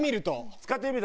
使ってみると？